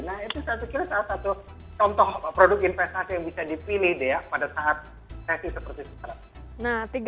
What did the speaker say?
nah itu saya pikir salah satu contoh produk investasi yang bisa dipilih pada saat sesi seperti sekarang